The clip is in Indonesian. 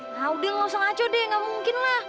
nah udah lo sengaco deh gak mungkin lah